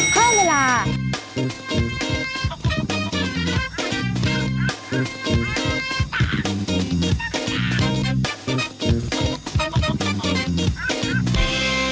ขอบคุณต้องคุณละ